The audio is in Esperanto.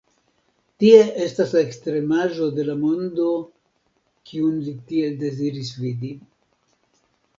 Tie estas la ekstremaĵo de la mondo, kiun li tiel deziris vidi.